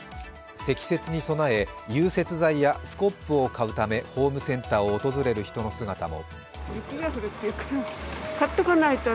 積雪に備え融雪剤やスコップを買うためホームセンターを訪れる人の姿も。